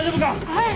はい！